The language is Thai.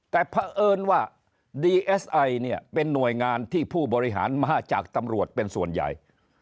แต่เพราะเอิญว่าดีเอสไอเนี่ยเป็นหน่วยงานที่ผู้บริหารมาจากตำรวจเป็นส่วนใหญ่